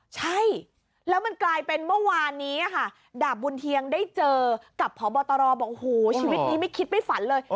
ใช่แล้วมันกลายเป็นเมื่อวานนี้ค่ะดาบบุญเทียงได้เจอกับพบตรบอกโอ้โหชีวิตนี้ไม่คิดไม่ฝันเลย